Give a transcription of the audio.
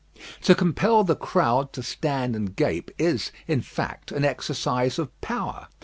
To compel the crowd to stand and gape is, in fact, an exercise of power.